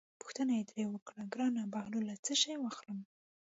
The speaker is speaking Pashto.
پوښتنه یې ترې وکړه: ګرانه بهلوله څه شی واخلم.